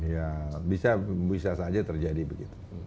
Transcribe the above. ya bisa saja terjadi begitu